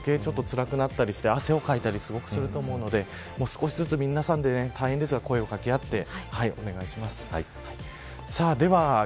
それで作業が余計につらくなったりして汗をかいたりすごくすると思うので少しずつ皆さんで声を掛け合ってお願いします。